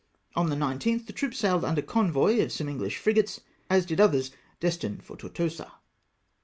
On the 19th the troops sailed under convoy of some Enghsh frigates, as did others destmed for Tortosa.